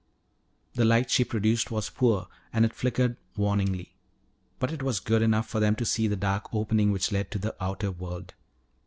The light she produced was poor and it flickered warningly. But it was good enough for them to see the dark opening which led to the outer world.